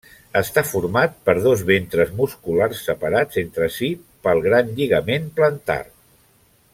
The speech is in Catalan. Està format per dos ventres musculars separats entre si pel gran lligament plantar.